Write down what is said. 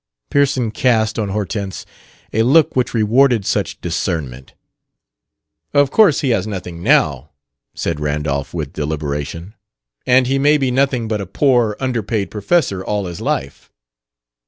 Pearson cast on Hortense a look which rewarded such discernment. "Of course he has nothing, now," said Randolph, with deliberation. "And he may be nothing but a poor, underpaid professor all his life."